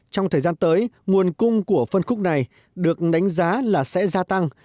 trong thời gian tới nguồn cung của phân khúc này được đánh giá là sẽ gia tăng